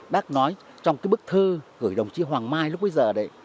bác nói trong cái bức thư gửi đồng chí hoàng mai lúc bây giờ đấy